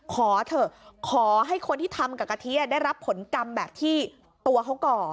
ขอเถอะขอให้คนที่ทำกับกะทิได้รับผลกรรมแบบที่ตัวเขาก่อ